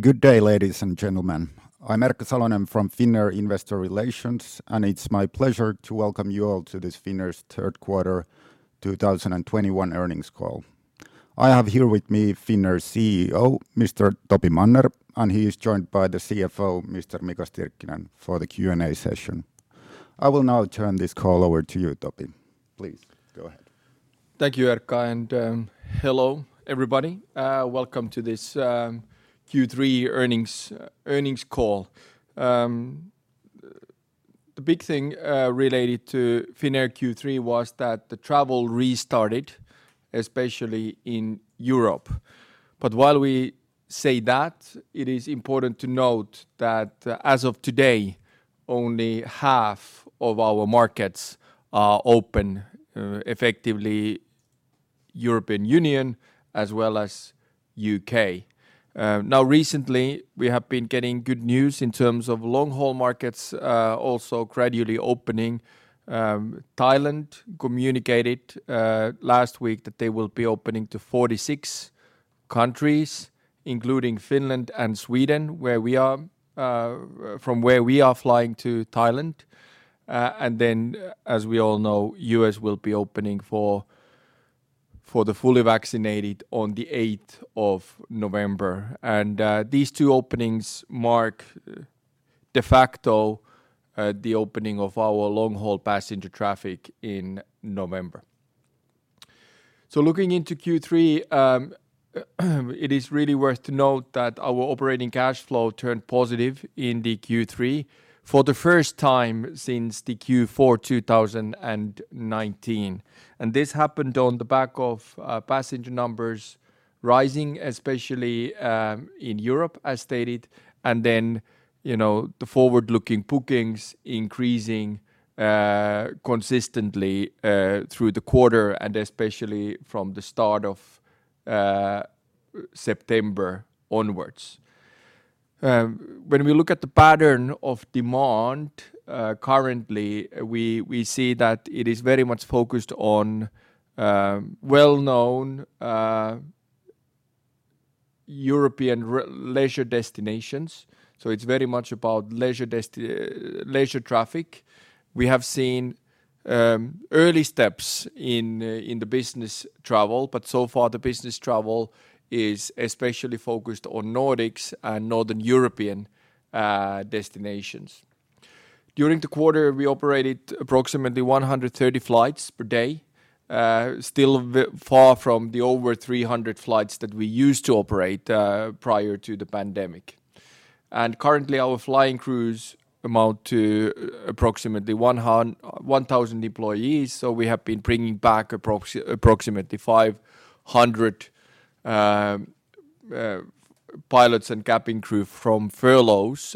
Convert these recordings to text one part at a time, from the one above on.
Good day, ladies and gentlemen. I'm Erkka Salonen from Finnair Investor Relations, and it's my pleasure to welcome you all to this Finnair's third quarter 2021 earnings call. I have here with me Finnair's CEO, Mr. Topi Manner, and he is joined by the CFO, Mr. Mika Stirkkinen, for the Q&A session. I will now turn this call over to you, Topi. Please go ahead. Thank you, Erkka, and hello, everybody. Welcome to this Q3 earnings call. The big thing related to Finnair Q3 was that the travel restarted, especially in Europe. While we say that, it is important to note that as of today, only half of our markets are open, effectively European Union as well as U.K. Now recently, we have been getting good news in terms of long-haul markets also gradually opening. Thailand communicated last week that they will be opening to 46 countries, including Finland and Sweden, from where we are flying to Thailand. As we all know, U.S., will be opening for the fully vaccinated on the eighth of November. These two openings mark de facto the opening of our long-haul passenger traffic in November. Looking into Q3, it is really worth to note that our operating cash flow turned positive in the Q3 for the first time since the Q4 2019. This happened on the back of passenger numbers rising, especially in Europe, as stated, and then, you know, the forward-looking bookings increasing consistently through the quarter and especially from the start of September onwards. When we look at the pattern of demand, currently we see that it is very much focused on well-known European leisure destinations, so it's very much about leisure traffic. We have seen early steps in the business travel, but so far the business travel is especially focused on Nordics and Northern European destinations. During the quarter, we operated approximately 130 flights per day, still very far from the over 300 flights that we used to operate prior to the pandemic. Currently our flying crews amount to approximately 1,000 employees. We have been bringing back approximately 500 pilots and cabin crew from furloughs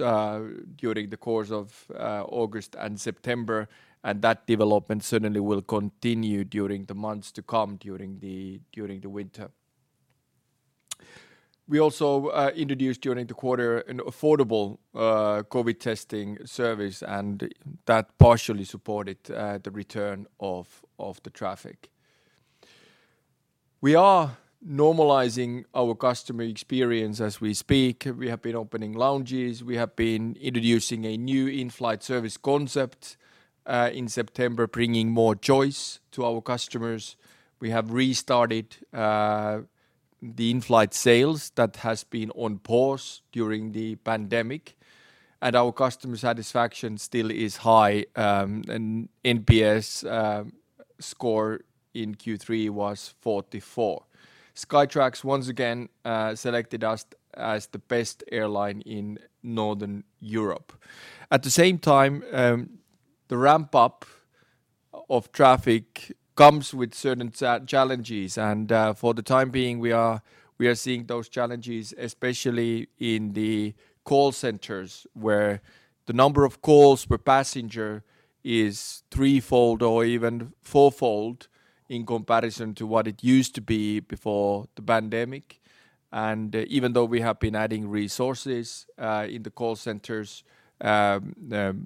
during the course of August and September. That development certainly will continue during the months to come during the winter. We also introduced during the quarter an affordable COVID testing service, and that partially supported the return of the traffic. We are normalizing our customer experience as we speak. We have been opening lounges. We have been introducing a new in-flight service concept in September, bringing more choice to our customers. We have restarted the in-flight sales that has been on pause during the pandemic, and our customer satisfaction still is high. NPS score in Q3 was 44. Skytrax once again selected us as the best airline in Northern Europe. At the same time, the ramp-up of traffic comes with certain challenges. For the time being, we are seeing those challenges, especially in the call centers, where the number of calls per passenger is threefold or even fourfold in comparison to what it used to be before the pandemic. Even though we have been adding resources in the call centers, the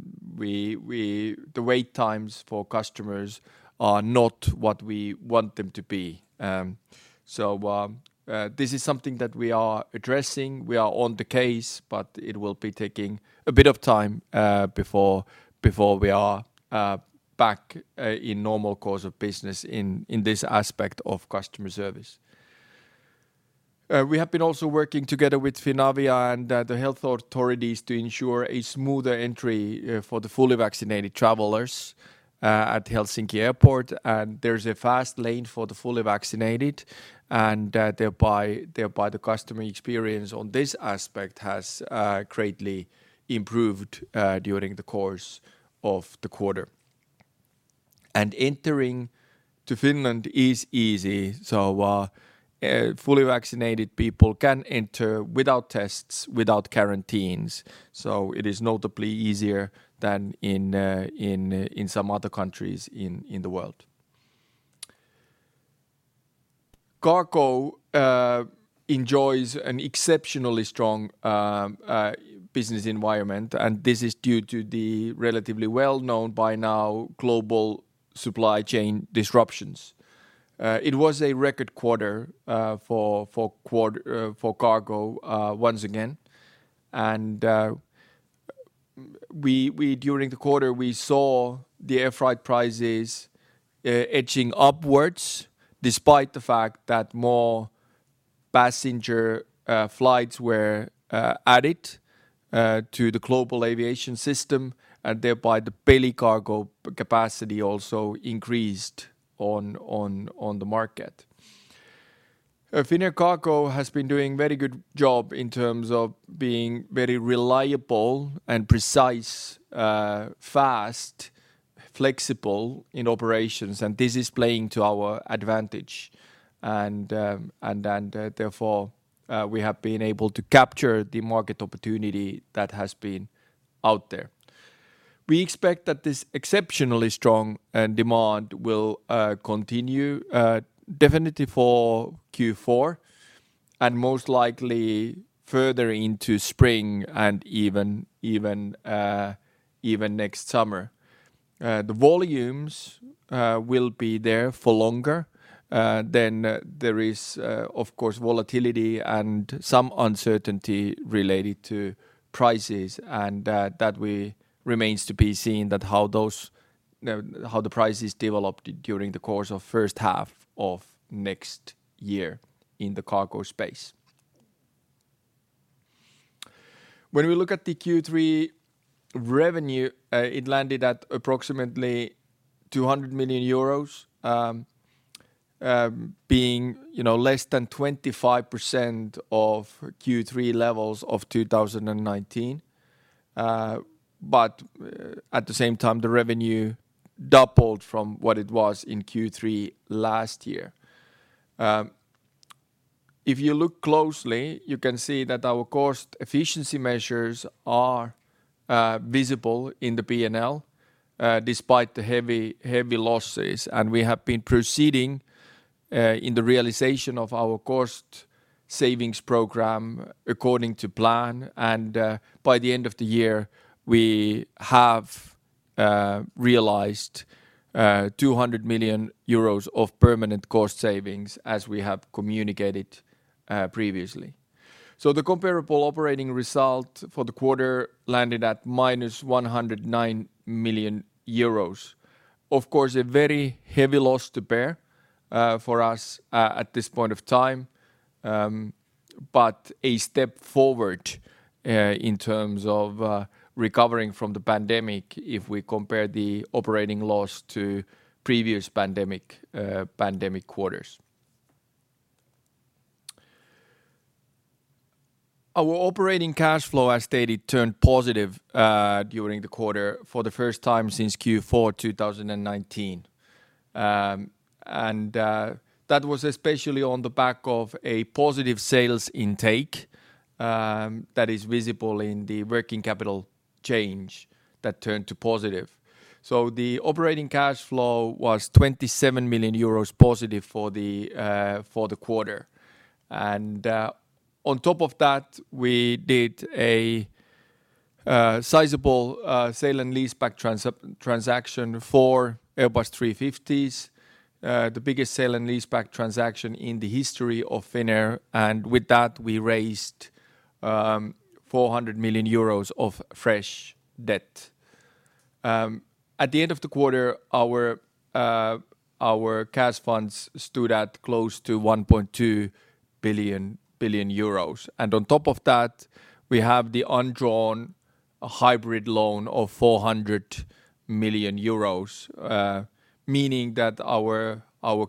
wait times for customers are not what we want them to be. This is something that we are addressing. We are on the case, but it will be taking a bit of time before we are back in normal course of business in this aspect of customer service. We have been also working together with Finavia and the health authorities to ensure a smoother entry for the fully vaccinated travelers at Helsinki Airport. There's a fast lane for the fully vaccinated, and thereby the customer experience on this aspect has greatly improved during the course of the quarter. Entering to Finland is easy, so fully vaccinated people can enter without tests, without quarantines, so it is notably easier than in some other countries in the world. Cargo enjoys an exceptionally strong business environment, and this is due to the relatively well-known-by-now global supply chain disruptions. It was a record quarter for cargo once again. During the quarter, we saw the air freight prices edging upwards despite the fact that more passenger flights were added to the global aviation system, and thereby the belly cargo capacity also increased on the market. Finnair Cargo has been doing very good job in terms of being very reliable and precise, fast, flexible in operations, and this is playing to our advantage. We have been able to capture the market opportunity that has been out there. We expect that this exceptionally strong demand will continue definitely for Q4 and most likely further into spring and even next summer. The volumes will be there for longer. There is, of course, volatility and some uncertainty related to prices and that remains to be seen how the prices developed during the course of first half of next year in the cargo space. When we look at the Q3 revenue, it landed at approximately 200 million euros, being, you know, less than 25% of Q3 levels of 2019. At the same time, the revenue doubled from what it was in Q3 last year. If you look closely, you can see that our cost efficiency measures are visible in the P&L, despite the heavy losses. We have been proceeding in the realization of our cost savings program according to plan. By the end of the year, we have realized 200 million euros of permanent cost savings as we have communicated previously. The comparable operating result for the quarter landed at minus 109 million euros. Of course, a very heavy loss to bear for us at this point of time, but a step forward in terms of recovering from the pandemic if we compare the operating loss to previous pandemic quarters. Our operating cash flow, as stated, turned positive during the quarter for the first time since Q4 2019. That was especially on the back of a positive sales intake that is visible in the working capital change that turned to positive. The operating cash flow was 27 million euros positive for the quarter. On top of that, we did a sizable sale and lease-back transaction for Airbus A350s, the biggest sale and lease-back transaction in the history of Finnair. With that, we raised 400 million euros of fresh debt. At the end of the quarter, our cash funds stood at close to 1.2 billion. On top of that, we have the undrawn hybrid loan of 400 million euros, meaning that our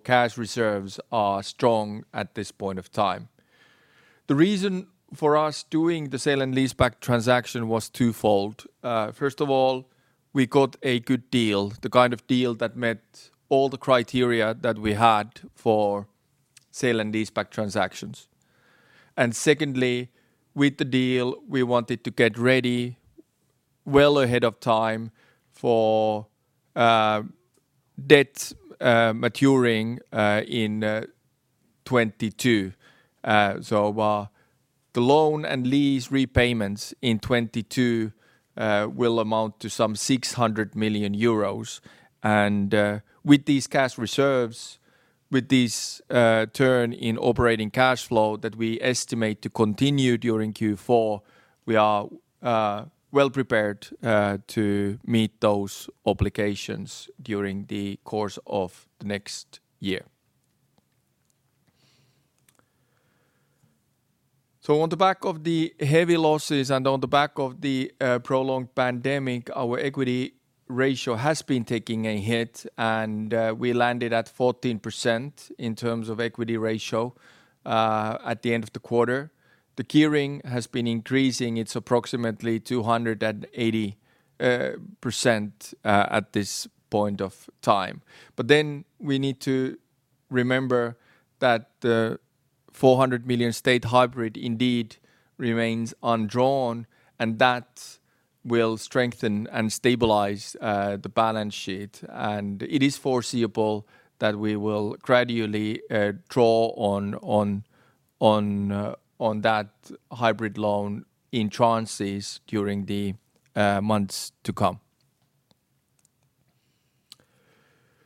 cash reserves are strong at this point of time. The reason for us doing the sale and lease-back transaction was twofold. First of all, we got a good deal, the kind of deal that met all the criteria that we had for sale and lease-back transactions. Secondly, with the deal, we wanted to get ready well ahead of time for debt maturing in 2022. The loan and lease repayments in 2022 will amount to some 600 million euros. With these cash reserves, with this turn in operating cash flow that we estimate to continue during Q4, we are well-prepared to meet those obligations during the course of the next year. On the back of the heavy losses and on the back of the prolonged pandemic, our equity ratio has been taking a hit, and we landed at 14% in terms of equity ratio at the end of the quarter. The gearing has been increasing. It's approximately 280% at this point of time. We need to remember that the 400 million state hybrid indeed remains undrawn, and that will strengthen and stabilize the balance sheet. It is foreseeable that we will gradually draw on that hybrid loan in tranches during the months to come.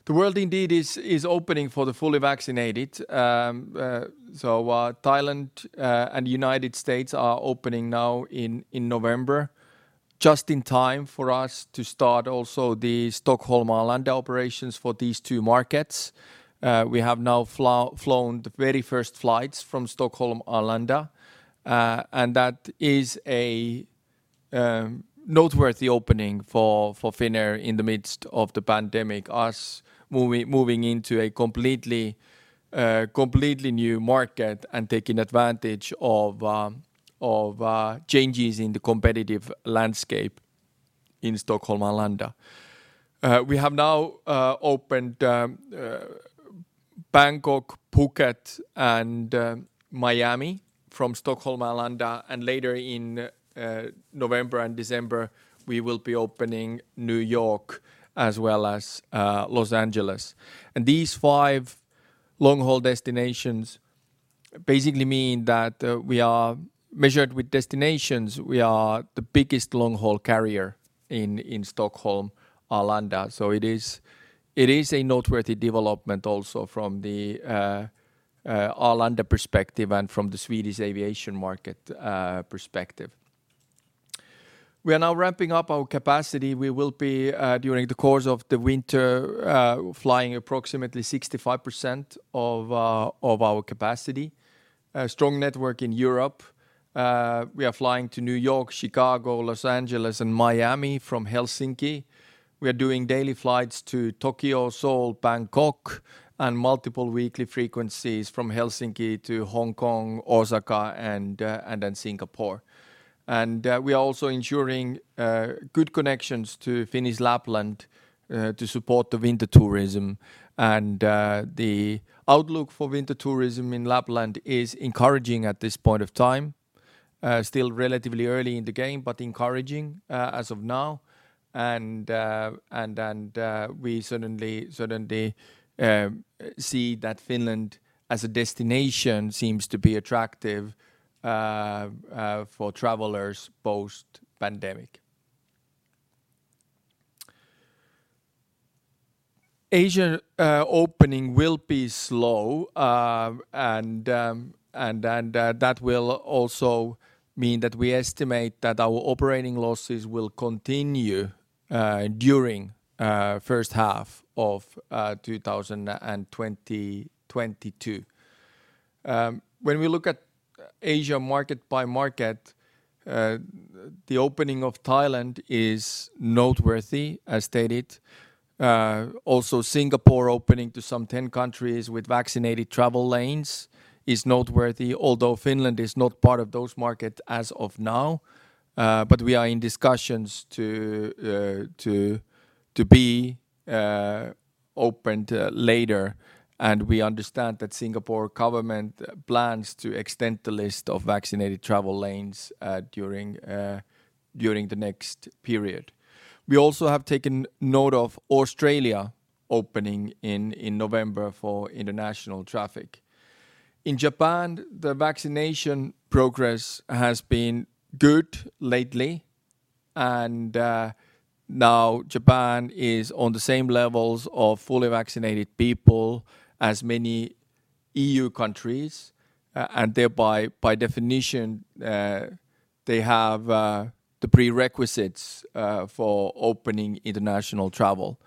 The world indeed is opening for the fully vaccinated. Thailand and United States are opening now in November just in time for us to start also the Stockholm Arlanda operations for these two markets. We have now flown the very first flights from Stockholm Arlanda, and that is a noteworthy opening for Finnair in the midst of the pandemic, with us moving into a completely new market and taking advantage of changes in the competitive landscape in Stockholm Arlanda. We have now opened Bangkok, Phuket, and Miami from Stockholm Arlanda, and later in November and December, we will be opening New York as well as Los Angeles. These five long-haul destinations basically mean that we are matched with destinations. We are the biggest long-haul carrier in Stockholm Arlanda, so it is a noteworthy development also from the Arlanda perspective and from the Swedish aviation market perspective. We are now ramping up our capacity. We will be during the course of the winter flying approximately 65% of our capacity. A strong network in Europe. We are flying to New York, Chicago, Los Angeles, and Miami from Helsinki. We are doing daily flights to Tokyo, Seoul, Bangkok, and multiple weekly frequencies from Helsinki to Hong Kong, Osaka, and then Singapore. We are also ensuring good connections to Finnish Lapland to support the winter tourism. The outlook for winter tourism in Lapland is encouraging at this point of time. Still relatively early in the game, but encouraging as of now. We certainly see that Finland as a destination seems to be attractive for travelers post-pandemic. Asia opening will be slow, and then that will also mean that we estimate that our operating losses will continue during first half of 2022. When we look at Asia market by market, the opening of Thailand is noteworthy as stated. Also Singapore opening to some 10 countries with vaccinated travel lanes is noteworthy, although Finland is not part of those markets as of now. But we are in discussions to be opened later, and we understand that Singapore government plans to extend the list of vaccinated travel lanes during the next period. We also have taken note of Australia opening in November for international traffic. In Japan, the vaccination progress has been good lately, and now Japan is on the same levels of fully vaccinated people as many EU countries, and thereby by definition, they have the prerequisites for opening international travel.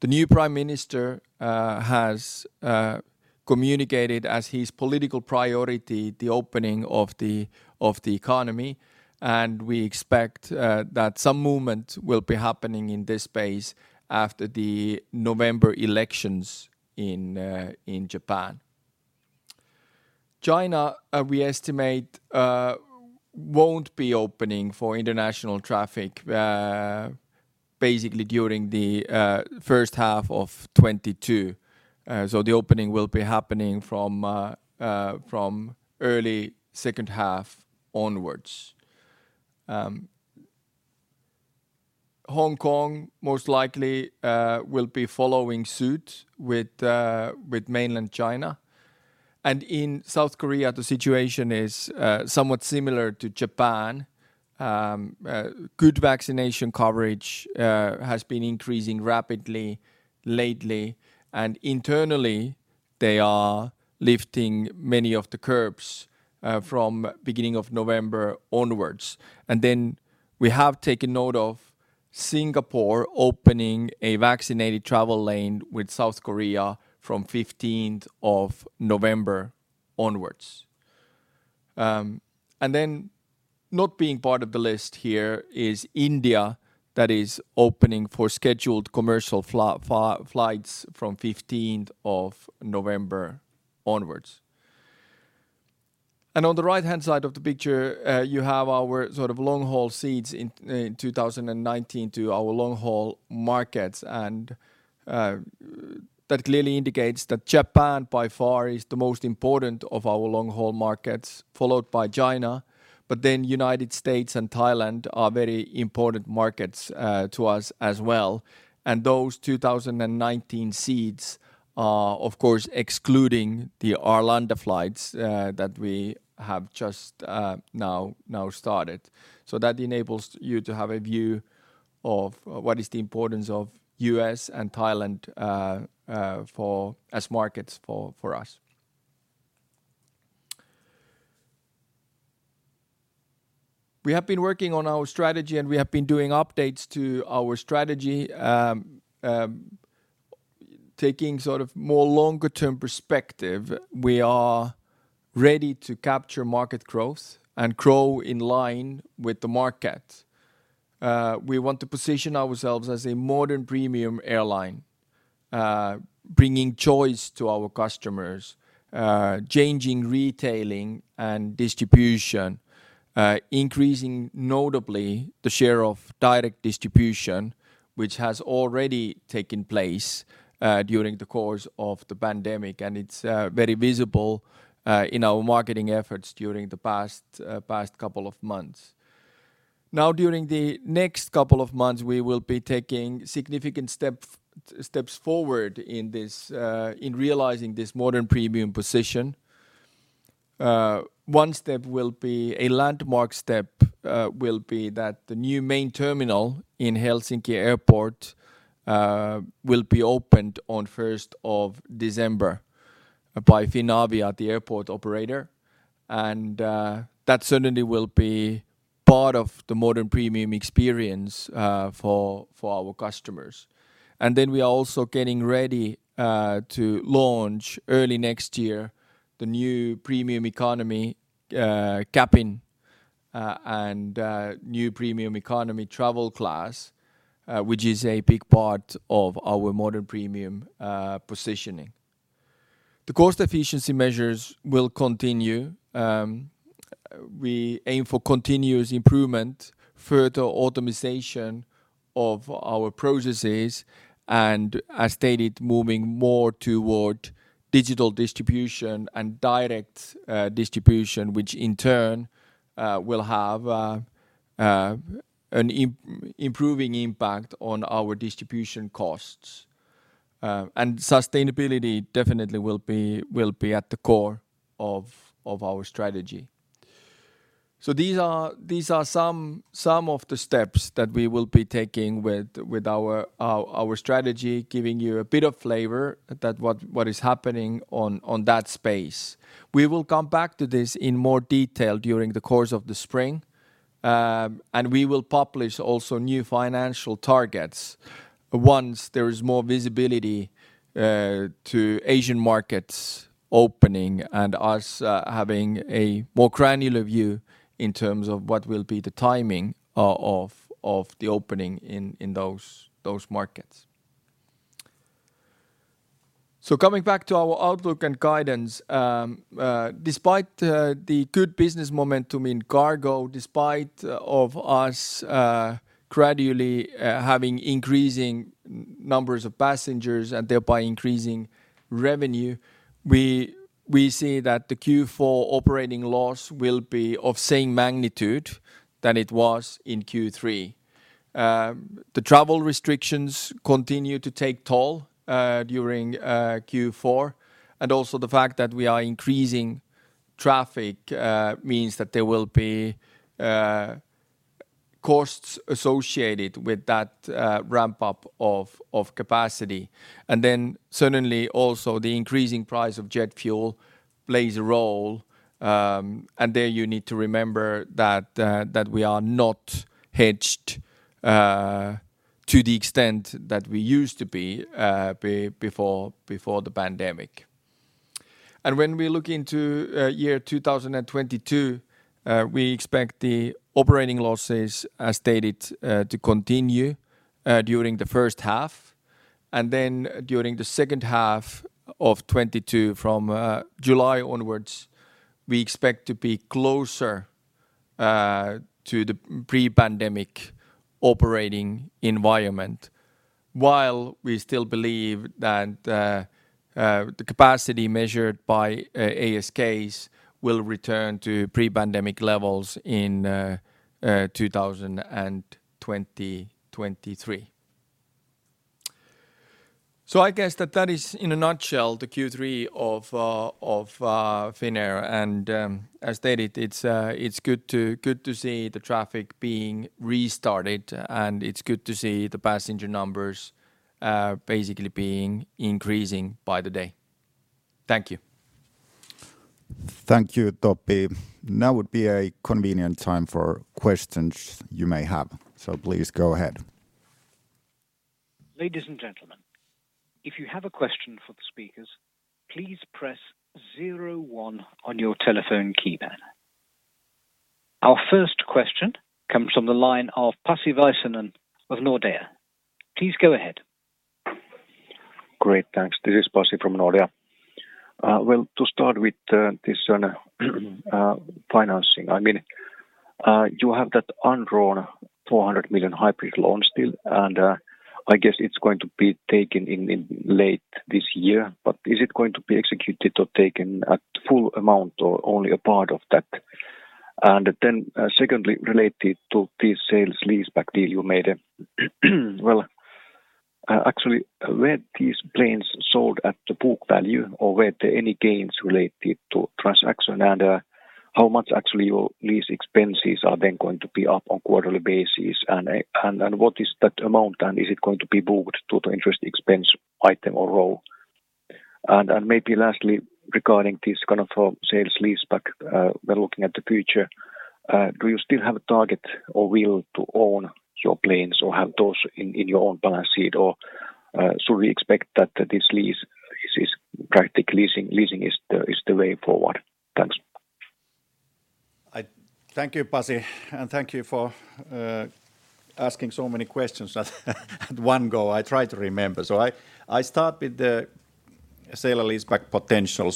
The new prime minister has communicated as his political priority the opening of the economy, and we expect that some movement will be happening in this space after the November elections in Japan. China, we estimate, won't be opening for international traffic basically during the first half of 2022. The opening will be happening from early second half onwards. Hong Kong most likely will be following suit with mainland China. In South Korea, the situation is somewhat similar to Japan. Good vaccination coverage has been increasing rapidly lately, and internally they are lifting many of the curbs from beginning of November onwards. We have taken note of Singapore opening a vaccinated travel lane with South Korea from fifteenth of November onwards. Not being part of the list here is India that is opening for scheduled commercial flights from fifteenth of November onwards. On the right-hand side of the picture, you have our sort of long-haul seats in 2019 to our long-haul markets, and that clearly indicates that Japan by far is the most important of our long-haul markets, followed by China. United States and Thailand are very important markets to us as well. Those 2,019 seats are of course excluding the Arlanda flights that we have just now started. That enables you to have a view of what is the importance of U.S., and Thailand as markets for us. We have been working on our strategy and we have been doing updates to our strategy, taking sort of more longer term perspective. We are ready to capture market growth and grow in line with the market. We want to position ourselves as a modern premium airline, bringing choice to our customers, changing retailing and distribution, increasing notably the share of direct distribution, which has already taken place during the course of the pandemic and it's very visible in our marketing efforts during the past couple of months. Now, during the next couple of months, we will be taking significant steps forward in this, in realizing this modern premium position. One step will be a landmark step that the new main terminal in Helsinki Airport will be opened on first of December by Finavia, the airport operator. That certainly will be part of the modern premium experience for our customers. Then we are also getting ready to launch early next year, the new Premium Economy cabin and new Premium Economy travel class, which is a big part of our modern premium positioning. The cost efficiency measures will continue. We aim for continuous improvement, further automation of our processes, and as stated, moving more toward digital distribution and direct distribution, which in turn will have an improving impact on our distribution costs. Sustainability definitely will be at the core of our strategy. These are some of the steps that we will be taking with our strategy, giving you a bit of flavor that what is happening on that space. We will come back to this in more detail during the course of the spring. We will publish also new financial targets once there is more visibility to Asian markets opening and us having a more granular view in terms of what will be the timing of the opening in those markets. Coming back to our outlook and guidance, despite the good business momentum in cargo, despite of us gradually having increasing numbers of passengers and thereby increasing revenue, we see that the Q4 operating loss will be of same magnitude than it was in Q3. The travel restrictions continue to take toll during Q4. Also the fact that we are increasing traffic means that there will be costs associated with that ramp up of capacity. Then certainly also the increasing price of jet fuel plays a role. There you need to remember that we are not hedged to the extent that we used to be before the pandemic. When we look into year 2022, we expect the operating losses, as stated, to continue during the first half, and then during the second half of 2022 from July onwards, we expect to be closer to the pre-pandemic operating environment while we still believe that the capacity measured by ASKs will return to pre-pandemic levels in 2023. I guess that is in a nutshell the Q3 of Finnair. As stated, it's good to see the traffic being restarted and it's good to see the passenger numbers basically being increasing by the day. Thank you. Thank you, Topi. Now would be a convenient time for questions you may have, so please go ahead. Ladies and gentlemen, if you have a question for the speakers, please press zero one on your telephone keypad. Our first question comes from the line of Pasi Väisänen of Nordea. Please go ahead. Great, thanks. This is Pasi from Nordea. Well, to start with, this financing. I mean, you have that undrawn 400 million hybrid loan still, and I guess it's going to be taken in late this year. Is it going to be executed or taken at full amount or only a part of that? And then, secondly, related to the sales leaseback deal you made, well, actually were these planes sold at the book value or were there any gains related to transaction? And, how much actually your lease expenses are then going to be up on quarterly basis? What is that amount and is it going to be booked to the interest expense item or row? Maybe lastly, regarding this kind of sale-leaseback, by looking at the future, do you still have a target or will to own your planes or have those in your own balance sheet? Should we expect that this leasing is the way forward? Thanks. Thank you, Pasi, and thank you for asking so many questions at one go. I try to remember. I start with the sale and leaseback potential.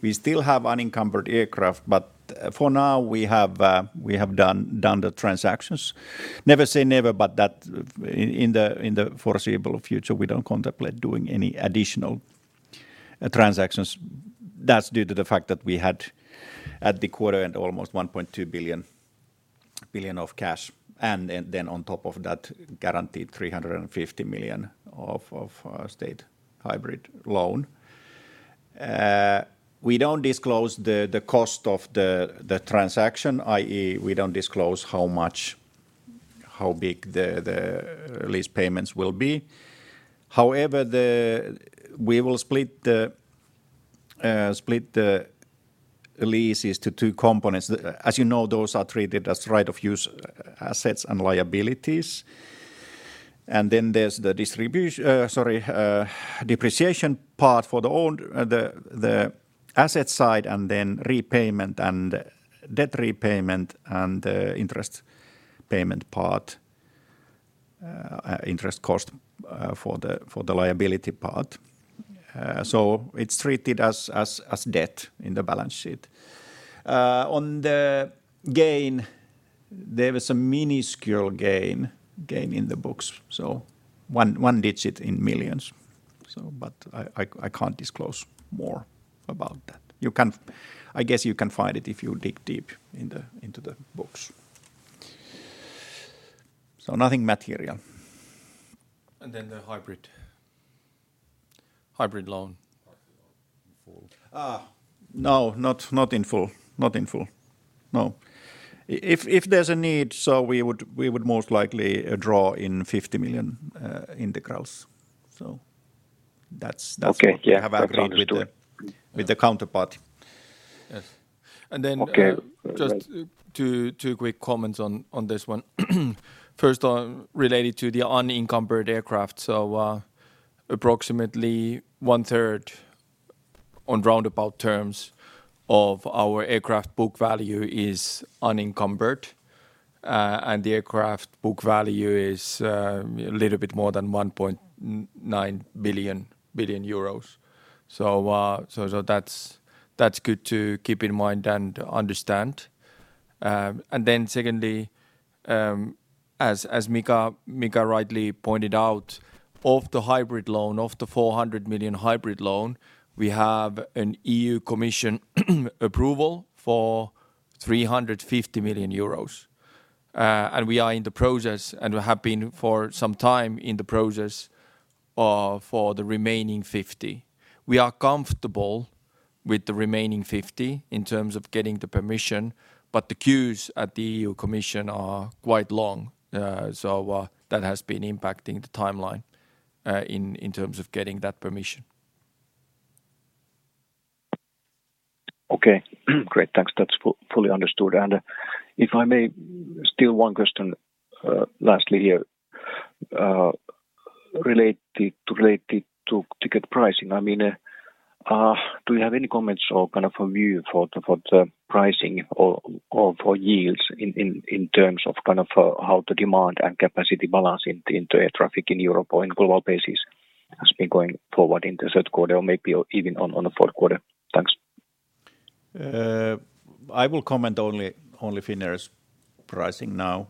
We still have unencumbered aircraft, but for now we have done the transactions. Never say never, but in the foreseeable future, we don't contemplate doing any additional transactions. That's due to the fact that we had, at the quarter end, almost 1.2 billion of cash and then on top of that, guaranteed 350 million of state hybrid loan. We don't disclose the cost of the transaction, i.e., we don't disclose how big the lease payments will be. However, we will split the leases to two components. As you know, those are treated as right-of-use assets and liabilities. There's the depreciation part for the asset side and then repayment and debt repayment and interest payment part, interest cost, for the liability part. It's treated as debt in the balance sheet. On the gain, there was a minuscule gain in the books, so one digit in millions, but I can't disclose more about that. I guess you can find it if you dig deep into the books. Nothing material. The hybrid. Hybrid loan? Hybrid loan in full. No, not in full. If there's a need, so we would most likely draw down 50 million in the RCF. That's what Okay. Yeah. That's understood. We have agreed with the counterpart. Yes. Okay. All right. Just two quick comments on this one. First on related to the unencumbered aircraft. So, approximately one third, on roundabout terms, of our aircraft book value is unencumbered. And the aircraft book value is little bit more than 1.9 billion euros. So, that's good to keep in mind and understand. And then secondly, as Mika rightly pointed out, of the hybrid loan, of the 400 million hybrid loan, we have an EU Commission approval for 350 million euros. And we are in the process, and we have been for some time, for the remaining 50. We are comfortable with the remaining 50 in terms of getting the permission, but the queues at the EU Commission are quite long. That has been impacting the timeline in terms of getting that permission. Okay. Great. Thanks. That's fully understood. If I may, still one question, lastly here, related to ticket pricing. I mean, do you have any comments or kind of a view for the pricing or for yields in terms of kind of how the demand and capacity balance in the air traffic in Europe or on a global basis has been going forward in the third quarter or maybe even on the fourth quarter? Thanks. I will comment only on Finnair's pricing now.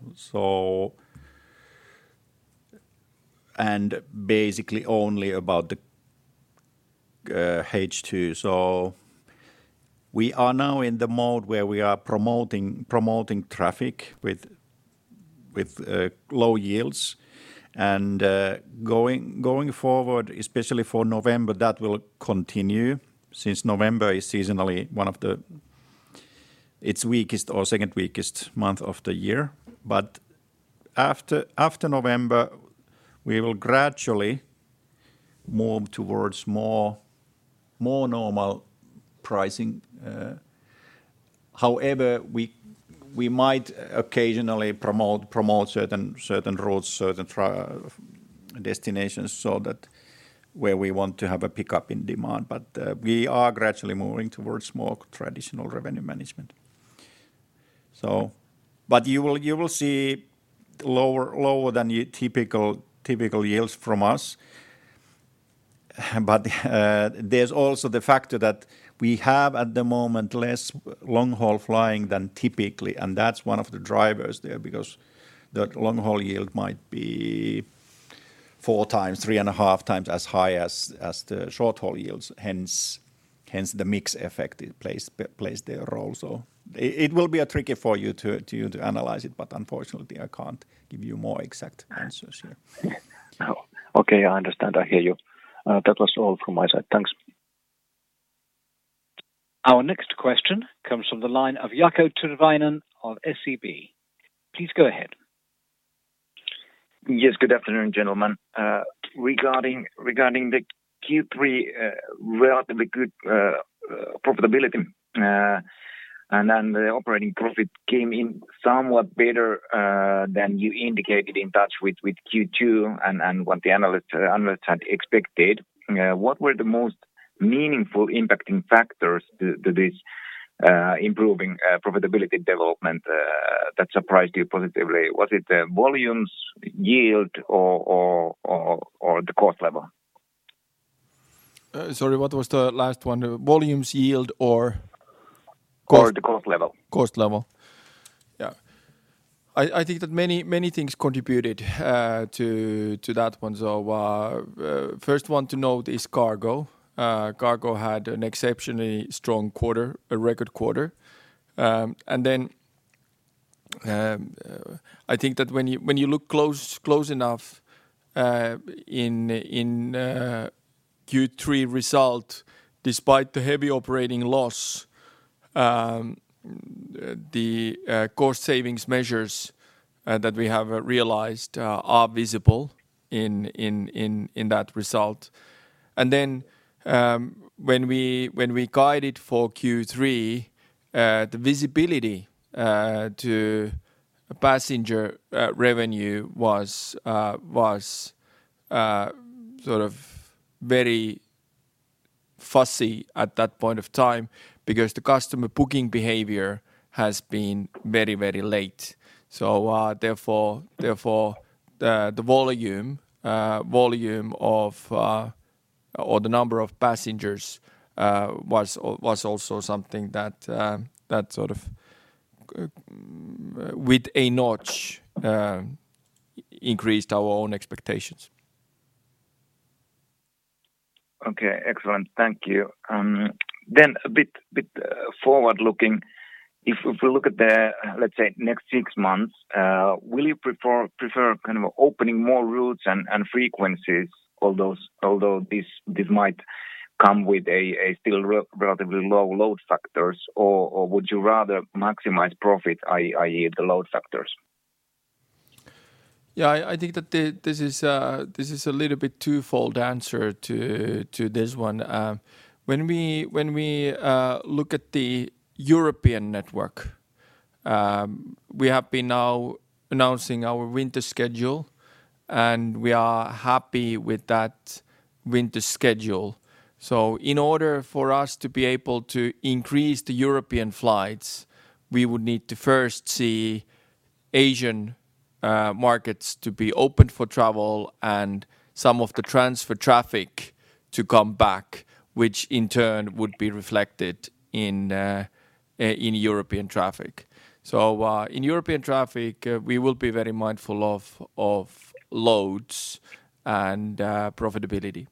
Basically only about the H2. We are now in the mode where we are promoting traffic with low yields. Going forward, especially for November, that will continue since November is seasonally one of its weakest or second weakest month of the year. After November, we will gradually move towards more normal pricing. However, we might occasionally promote certain routes, destinations so that where we want to have a pickup in demand. We are gradually moving towards more traditional revenue management. You will see lower than typical yields from us. There's also the factor that we have, at the moment, less long-haul flying than typically, and that's one of the drivers there, because the long-haul yield might be four times, three and a half times as high as the short-haul yields. Hence the mix effect it plays the role. It will be tricky for you to analyze it, but unfortunately I can't give you more exact answers here. Oh, okay. I understand. I hear you. That was all from my side. Thanks. Our next question comes from the line of Jaakko Tyrväinen of SEB. Please go ahead. Yes. Good afternoon, gentlemen. Regarding the Q3, relatively good profitability and then the operating profit came in somewhat better than you indicated in touch with Q2 and what the analyst had expected. What were the most meaningful impacting factors to this improving profitability development that surprised you positively? Was it the volumes, yield or the cost level? Sorry, what was the last one? Volumes, yield or? Cost, the cost level. Cost level. Yeah. I think that many things contributed to that one. First one to note is cargo. Cargo had an exceptionally strong quarter, a record quarter. Then, I think that when you look close enough in Q3 result, despite the heavy operating loss, the cost savings measures that we have realized are visible in that result. Then, when we guided for Q3, the visibility to passenger revenue was sort of very fuzzy at that point of time because the customer booking behavior has been very late. Therefore, the volume of or the number of passengers was also something that sort of notched up our own expectations. Okay. Excellent. Thank you. A bit forward-looking. If we look at the, let's say, next six months, will you prefer kind of opening more routes and frequencies, although this might come with a still relatively low load factors? Or would you rather maximize profit, i.e., the load factors? Yeah, I think that this is a little bit twofold answer to this one. When we look at the European network, we have been now announcing our winter schedule, and we are happy with that winter schedule. In order for us to be able to increase the European flights, we would need to first see Asian markets to be open for travel and some of the transfer traffic to come back, which in turn would be reflected in European traffic. In European traffic, we will be very mindful of loads and profitability.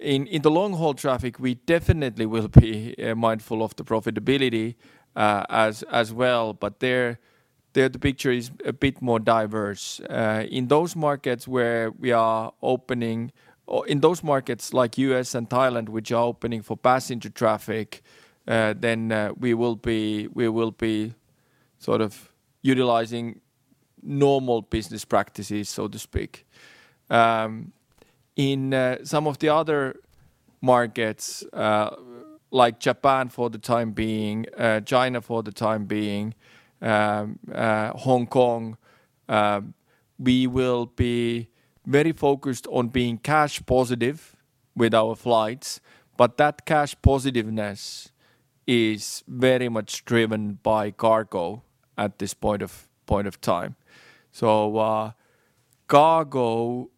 In the long-haul traffic, we definitely will be mindful of the profitability as well, but there the picture is a bit more diverse. In those markets where we are opening or in those markets like U.S., and Thailand, which are opening for passenger traffic, we will be sort of utilizing normal business practices, so to speak. In some of the other markets, like Japan for the time being, China for the time being, Hong Kong, we will be very focused on being cash positive with our flights, but that cash positiveness is very much driven by cargo at this point of time. Cargo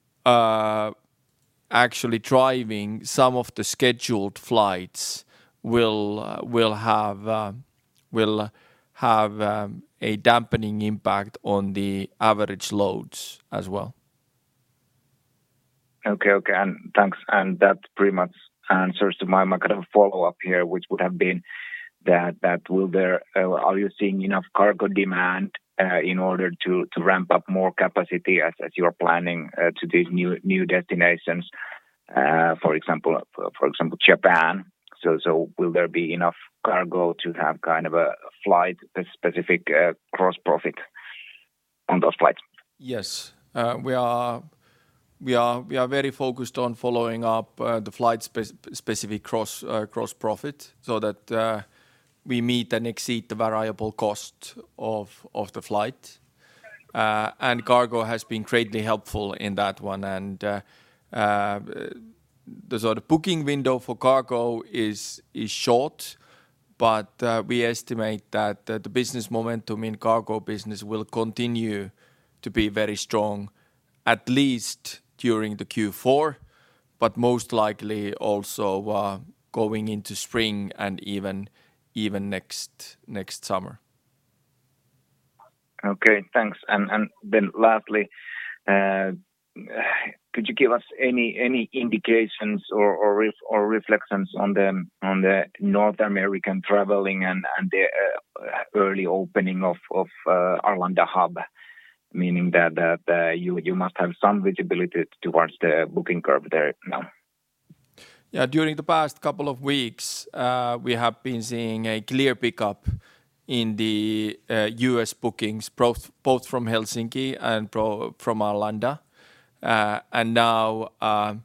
actually driving some of the scheduled flights will have a dampening impact on the average loads as well. Okay. That pretty much answers to my kind of follow-up here, which would have been that, are you seeing enough cargo demand in order to ramp up more capacity as you are planning to these new destinations, for example, Japan? Will there be enough cargo to have kind of a flight-specific gross-profit on those flights? Yes. We are very focused on following up the flight-specific gross profit so that we meet and exceed the variable cost of the flight. Cargo has been greatly helpful in that one. The sort of booking window for cargo is short, but we estimate that the business momentum in cargo business will continue to be very strong, at least during the Q4, but most likely also going into spring and even next summer. Okay, thanks. Lastly, could you give us any indications or reflections on the North American traveling and the early opening of Arlanda hub, meaning that you must have some visibility towards the booking curve there now? Yeah, during the past couple of weeks, we have been seeing a clear pickup in the U.S., bookings, both from Helsinki and from Arlanda. Now,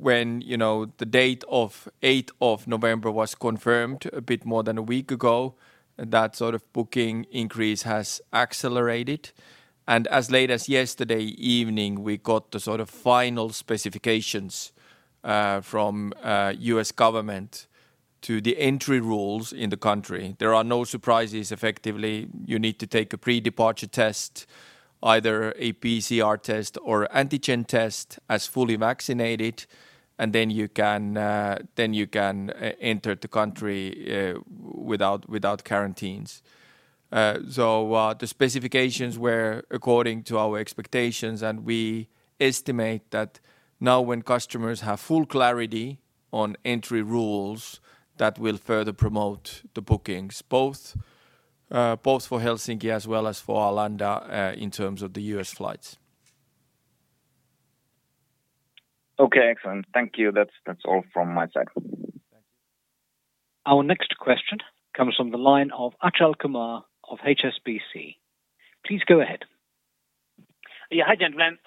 when you know, the date of eighth of November was confirmed a bit more than a week ago, that sort of booking increase has accelerated. As late as yesterday evening, we got the sort of final specifications from U.S., government to the entry rules in the country. There are no surprises. Effectively, you need to take a pre-departure test, either a PCR test or antigen test as fully vaccinated, and then you can enter the country without quarantines. The specifications were according to our expectations, and we estimate that now when customers have full clarity on entry rules, that will further promote the bookings, both for Helsinki as well as for Arlanda, in terms of the U.S., flights. Okay. Excellent. Thank you. That's all from my side. Our next question comes from the line of Achal Kumar of HSBC. Please go ahead. Yeah. Hi, gentlemen.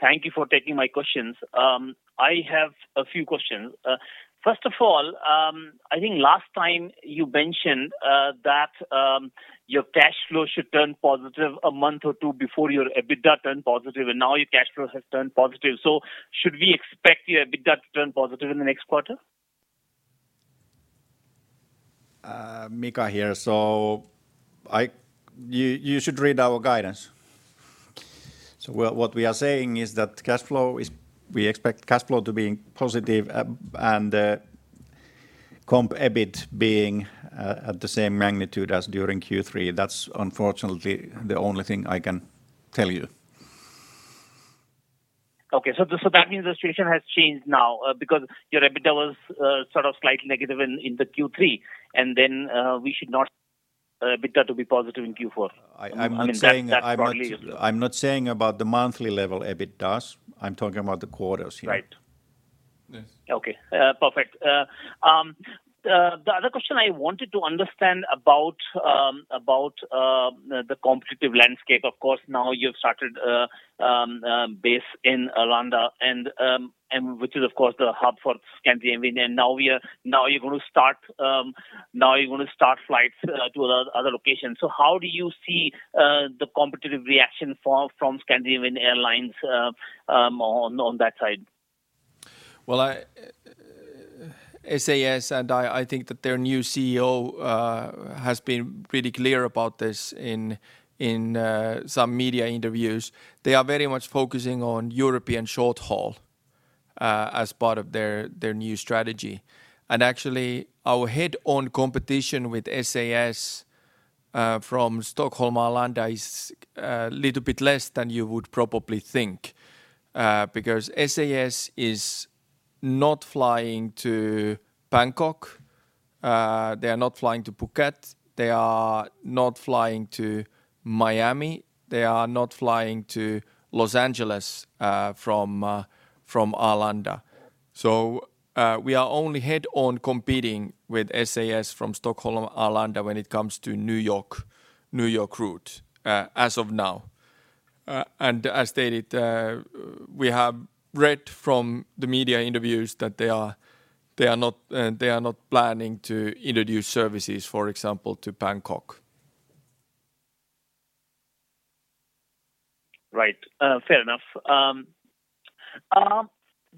Thank you for taking my questions. I have a few questions. First of all, I think last time you mentioned that your cash flow should turn positive a month or two before your EBITDA turned positive, and now your cash flow has turned positive. Should we expect your EBITDA to turn positive in the next quarter? Mika here. You should read our guidance. What we are saying is that we expect cash flow to be positive and comparable EBIT being at the same magnitude as during Q3. That's unfortunately the only thing I can tell you. Okay. That means the situation has changed now, because your EBITDA was sort of slightly negative in the Q3, and then we expect EBITDA to be positive in Q4. I'm not saying. I mean, that broadly is. I'm not saying about the monthly level EBITDAs. I'm talking about the quarters here. Right. Yes. Okay. Perfect. The other question I wanted to understand about the competitive landscape, of course, now you've started base in Arlanda and which is of course the hub for Scandinavian. Now you're gonna start flights to other locations. So how do you see the competitive reaction from Scandinavian Airlines on that side? SAS and I think that their new CEO has been pretty clear about this in some media interviews. They are very much focusing on European short haul as part of their new strategy. Actually, our head-on competition with SAS from Stockholm Arlanda is little bit less than you would probably think because SAS is not flying to Bangkok, they are not flying to Phuket, they are not flying to Miami, they are not flying to Los Angeles from Arlanda. We are only head-on competing with SAS from Stockholm Arlanda when it comes to New York route as of now. As stated, we have read from the media interviews that they are not planning to introduce services, for example, to Bangkok. Right. Fair enough.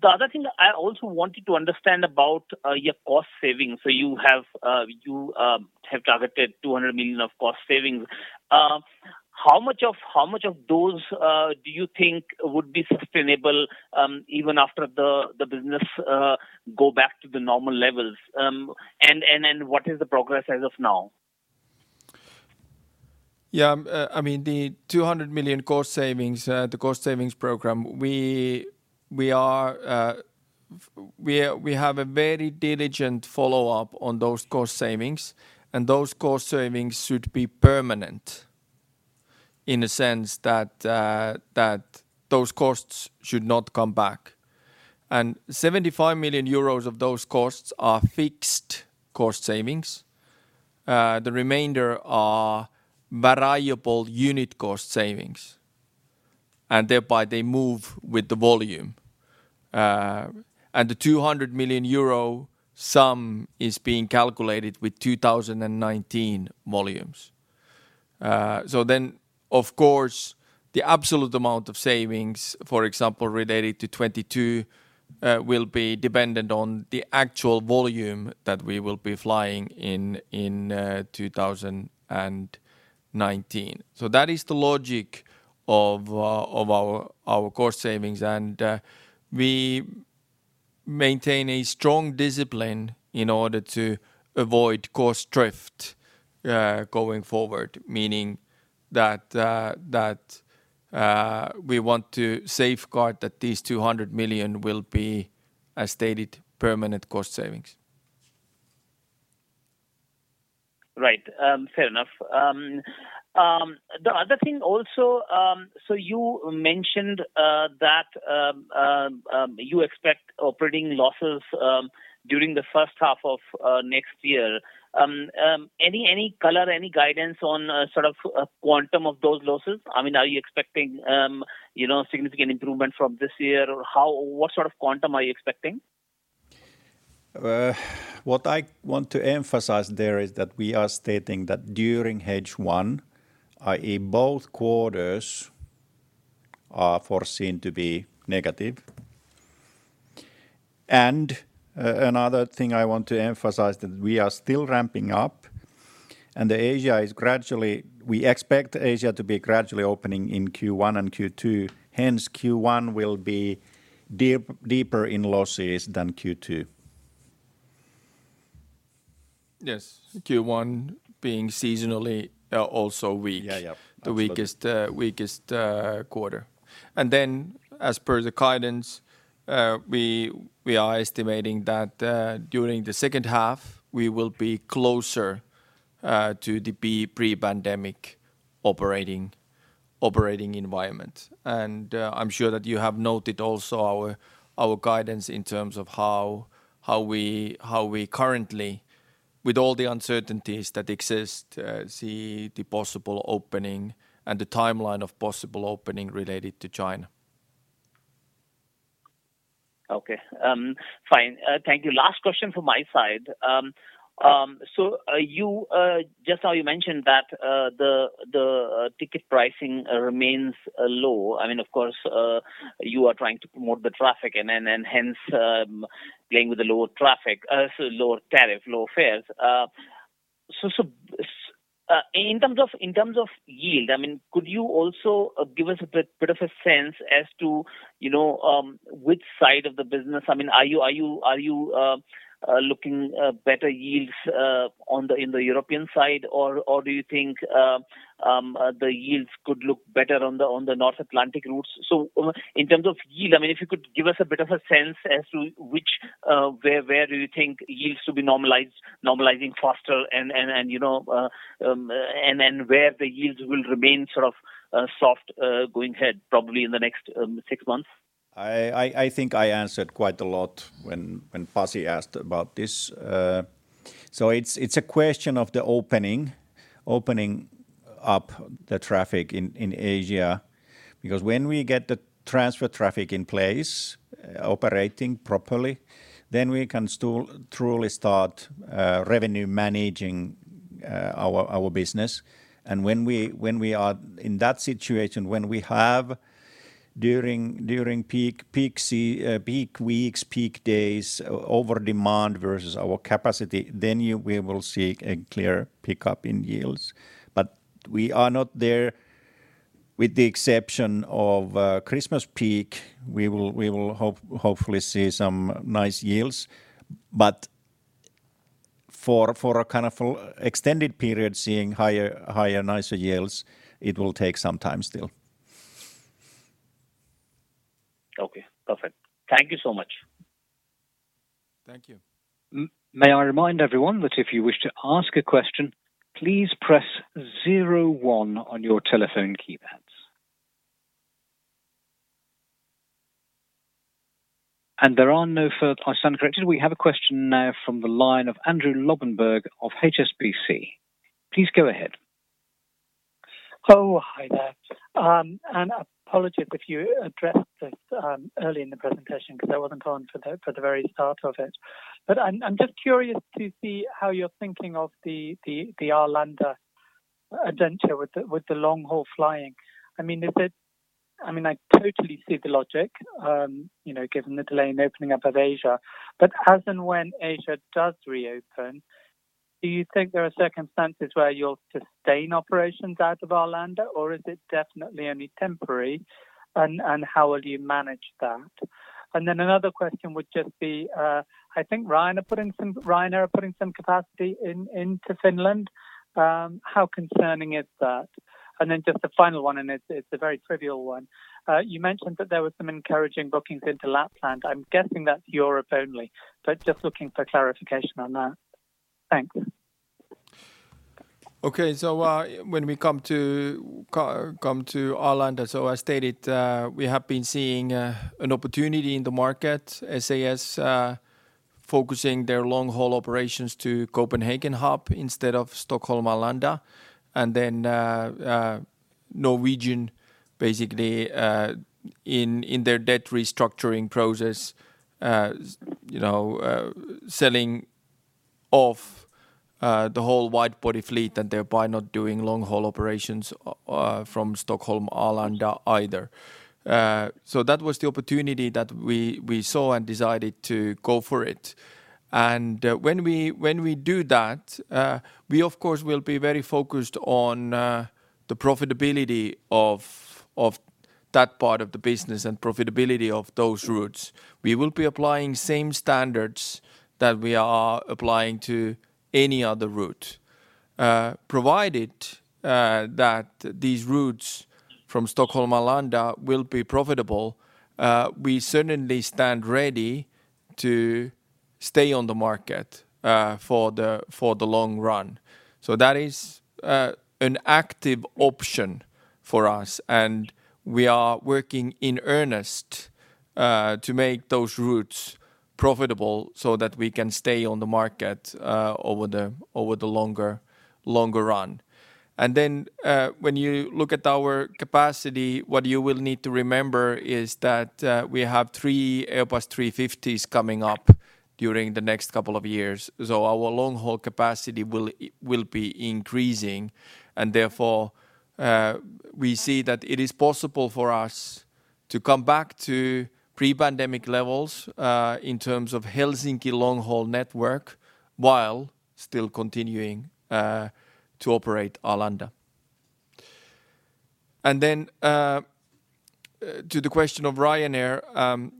The other thing I also wanted to understand about your cost savings. You have targeted 200 million of cost savings. How much of those do you think would be sustainable even after the business go back to the normal levels? What is the progress as of now? Yeah. I mean, the 200 million cost savings, the cost savings program, we have a very diligent follow-up on those cost savings, and those cost savings should be permanent in the sense that those costs should not come back. 75 million euros of those costs are fixed cost savings. The remainder are variable unit cost savings, and thereby they move with the volume. The 200 million euro sum is being calculated with 2019 volumes. Of course, the absolute amount of savings, for example, related to 22, will be dependent on the actual volume that we will be flying in 2019. That is the logic of our cost savings, and we maintain a strong discipline in order to avoid cost drift. Going forward, meaning that we want to safeguard that these 200 million will be, as stated, permanent cost savings. Right. Fair enough. The other thing also, so you mentioned that you expect operating losses during the first half of next year. Any color, any guidance on sort of a quantum of those losses? I mean, are you expecting you know, significant improvement from this year? Or what sort of quantum are you expecting? What I want to emphasize there is that we are stating that during H1, i.e., both quarters are foreseen to be negative. Another thing I want to emphasize that we are still ramping up, and we expect Asia to be gradually opening in Q1 and Q2. Hence, Q1 will be deeper in losses than Q2. Yes. Q1 being seasonally, also weak. Yeah, yeah. Absolutely. The weakest quarter. Then as per the guidance, we are estimating that during the second half we will be closer to the pre-pandemic operating environment. I'm sure that you have noted also our guidance in terms of how we currently, with all the uncertainties that exist, see the possible opening and the timeline of possible opening related to China. Okay. Fine. Thank you. Last question from my side. You just now mentioned that the ticket pricing remains low. I mean, of course, you are trying to promote the traffic and then, and hence, playing with the lower traffic, so lower tariff, lower fares. In terms of yield, I mean, could you also give us a bit of a sense as to, you know, which side of the business. I mean, are you looking better yields in the European side? Or do you think the yields could look better on the North Atlantic routes? In terms of yield, I mean, if you could give us a bit of a sense as to which, where do you think yields will be normalized, normalizing faster and you know and then where the yields will remain sort of soft going ahead probably in the next six months? I think I answered quite a lot when Pasi asked about this. So it's a question of the opening up the traffic in Asia, because when we get the transfer traffic in place operating properly, then we can still truly start revenue management of our business. When we are in that situation, when we have during peak season, peak weeks, peak days over demand versus our capacity, then we will see a clear pickup in yields. We are not there with the exception of Christmas peak. We will hopefully see some nice yields. For a kind of extended period, seeing higher, nicer yields, it will take some time still. Okay, perfect. Thank you so much. Thank you. May I remind everyone that if you wish to ask a question, please press zero one on your telephone keypads. There are no further participants. We have a question now from the line of Andrew Lobbenberg of HSBC. Please go ahead. Oh, hi there. Apologies if you addressed this early in the presentation because I wasn't on for the very start of it. I'm just curious to see how you're thinking of the Arlanda venture with the long-haul flying. I mean, I totally see the logic, you know, given the delay in opening up of Asia. As and when Asia does reopen, do you think there are circumstances where you'll sustain operations out of Arlanda or is it definitely only temporary? How will you manage that? Then another question would just be, I think Ryanair are putting some capacity into Finland. How concerning is that? Then just the final one, and it's a very trivial one. You mentioned that there were some encouraging bookings into Lapland. I'm guessing that's Europe only, but just looking for clarification on that. Thanks. Okay. When we come to Arlanda, as stated, we have been seeing an opportunity in the market, with SAS focusing their long-haul operations to Copenhagen hub instead of Stockholm Arlanda, Norwegian basically in their debt restructuring process, you know, selling off the whole wide-body fleet and thereby not doing long-haul operations from Stockholm Arlanda either. That was the opportunity that we saw and decided to go for it. When we do that, we of course will be very focused on the profitability of that part of the business and profitability of those routes. We will be applying same standards that we are applying to any other route. Provided that these routes from Stockholm Arlanda will be profitable, we certainly stand ready to stay on the market for the long run. That is an active option for us, and we are working in earnest to make those routes profitable so that we can stay on the market over the longer run. When you look at our capacity, what you will need to remember is that we have three Airbus A350s coming up during the next couple of years. Our long-haul capacity will be increasing and therefore we see that it is possible for us to come back to pre-pandemic levels in terms of Helsinki long-haul network while still continuing to operate Arlanda. To the question of Ryanair,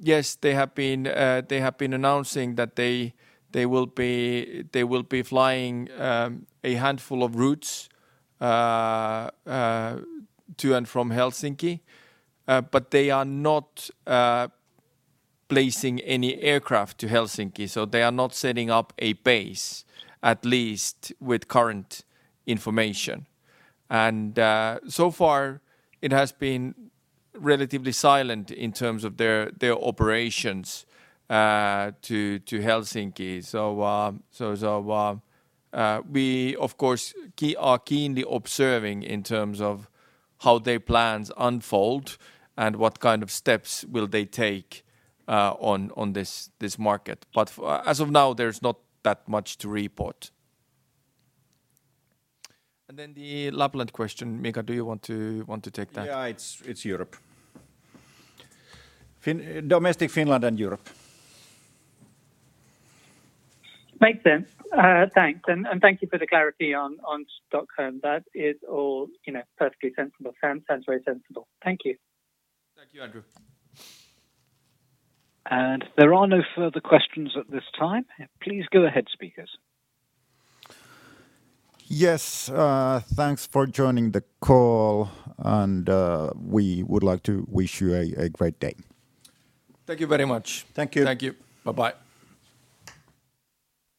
yes, they have been announcing that they will be flying a handful of routes to and from Helsinki. But they are not placing any aircraft to Helsinki, so they are not setting up a base, at least with current information. So far it has been relatively silent in terms of their operations to Helsinki. We of course are keenly observing in terms of how their plans unfold and what kind of steps will they take on this market. But as of now, there's not that much to report. The Lapland question. Mika, do you want to take that? Yeah, it's Europe. Domestic Finland and Europe. Makes sense. Thanks. And thank you for the clarity on Stockholm. That is all, you know, perfectly sensible. Sounds very sensible. Thank you. Thank you, Andrew. There are no further questions at this time. Please go ahead, speakers. Yes, thanks for joining the call, and we would like to wish you a great day. Thank you very much. Thank you. Bye-bye.